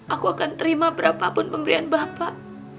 aku akan terima berapapun pemberian bapak